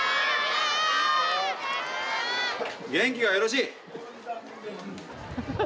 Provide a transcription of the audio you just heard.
元気がよろしい！